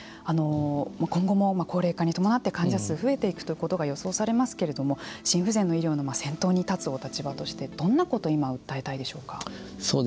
今後も高齢化に伴って患者数が増えていくということが予想されますけど心不全の医療の先頭に立つお立場としてどんなことを今訴えたいでしょうか。